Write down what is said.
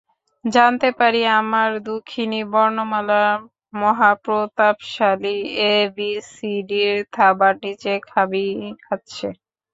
জানতে পারি আমার দুঃখিনী বর্ণমালা মহাপ্রতাপশালী এবিসিডির থাবার নিচে খাবি খাচ্ছে।